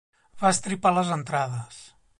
Va estripar les entrades.